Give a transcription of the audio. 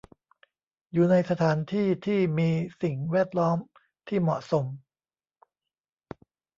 อยู่ในสถานที่ที่มีสิ่งแวดล้อมที่เหมาะสม